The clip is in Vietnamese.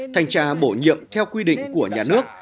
thanh tra bổ nhiệm theo quy định của nhà nước